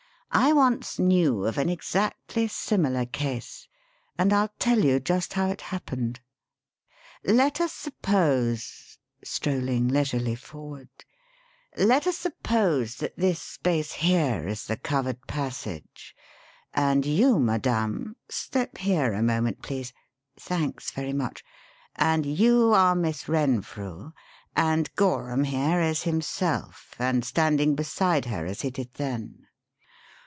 I once knew of an exactly similar case and I'll tell you just how it happened. Let us suppose" strolling leisurely forward "let us suppose that this space here is the covered passage, and you, madame step here a moment, please. Thanks very much and you are Miss Renfrew, and Gorham here is himself, and standing beside her as he did then."